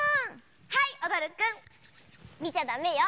はいおどるくんみちゃダメよ。